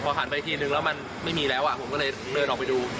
หันไปอีกทีนึงแล้วมันไม่มีแล้วผมก็เลยเดินออกไปดู